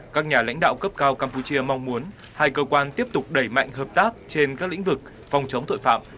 các nhà lãnh đạo cấp cao campuchia mong muốn hai cơ quan tiếp tục đẩy mạnh hợp tác trên các lĩnh vực phòng chống tội phạm